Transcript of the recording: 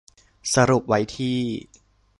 สรุปไว้ที่